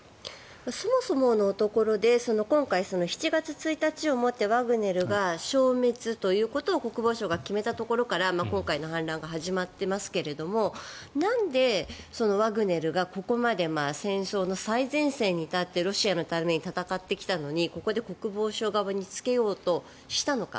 そもそものところで今回、７月１日をもってワグネルが消滅ということを国防省が決めたというところから今回の反乱が始まっていますがなんでワグネルがここまで戦争の最前線に立ってロシアのために戦ってきたのにここで国防省側につけようとしたのか。